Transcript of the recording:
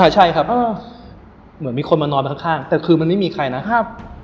ใช่ครับเหมือนมีคนมานอนไปข้างแต่คือมันไม่มีใครนะครับ